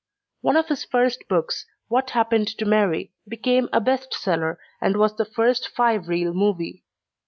One of his first books, What Happened to Mary, became a best seller and was the first five reel movie.